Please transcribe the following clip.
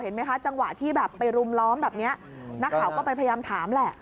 ไหมคะจังหวะที่แบบไปรุมล้อมแบบนี้นักข่าวก็ไปพยายามถามแหละ